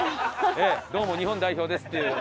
「どうも日本代表です」っていう。